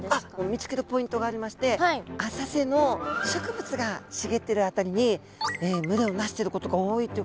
見つけるポイントがありまして浅瀬の植物が茂ってる辺りに群れを成してることが多いっていうことなんですね。